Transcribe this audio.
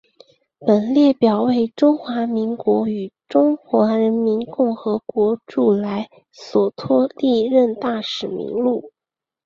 本列表为中华民国与中华人民共和国驻莱索托历任大使名录。